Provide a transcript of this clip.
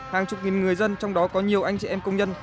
hàng chục nghìn người dân trong đó có nhiều anh chị em công nhân